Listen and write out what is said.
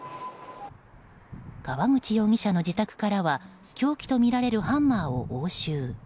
川口容疑者の自宅からは凶器とみられるハンマーを押収。